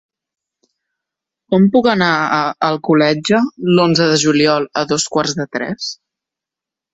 Com puc anar a Alcoletge l'onze de juliol a dos quarts de tres?